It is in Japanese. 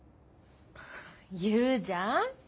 言うじゃん。